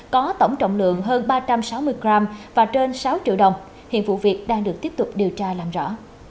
có tổng trọng lượng hơn ba trăm sáu mươi g và trên sáu triệu đồng hiện vụ việc đang được tiếp tục điều tra làm rõ